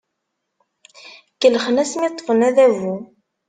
Kellxen asmi ṭṭfen adabu.